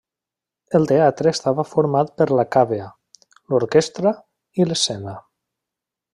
El teatre estava format per la càvea, l'orquestra i l'escena.